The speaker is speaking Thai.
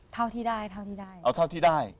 เท่าที่ได้เอ้าเท่าที่ได้